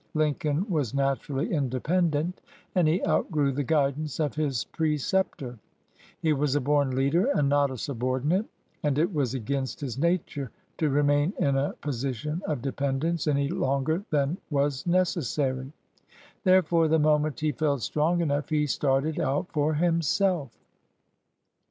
Lincoln was naturally independent, and he outgrew the guidance of his preceptor. He was a born leader, and not a subordinate, and it was against his nature to remain in a posi tion of dependence any longer than was neces sary. Therefore, the moment he felt strong enough, he started out for himself.